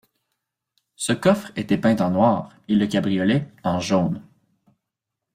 Ce coffre était peint en noir et le cabriolet en jaune.